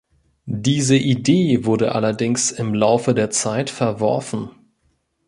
Diese Idee wurde allerdings im Laufe der Zeit verworfen.